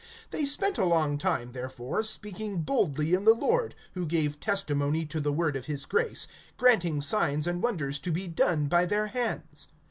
(3)They spent a long time, therefore, speaking boldly in the Lord, who gave testimony to the word of his grace, granting signs and wonders to be done by their hands.